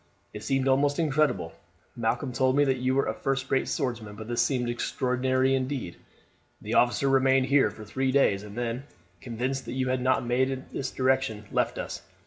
It seemed almost incredible. Malcolm told me that you were a first rate swordsman, but this seemed extraordinary indeed. The officer remained here for three days, and then, convinced that you had not made in this direction, left us.